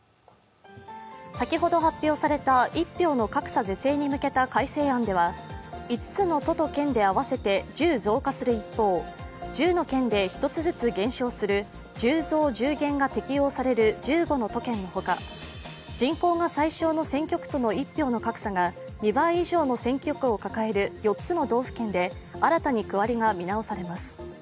先ほど発表された一票の格差是正に向けた改正案では５つの都と県で合わせて１０増加する一方１０の県で１つずつ減少する１０増１０減が適用される１５の都県のほか、人口が最少の選挙区との一票の格差が２倍以上の選挙区を抱える４つの道府県で新たに区割りが見直されます。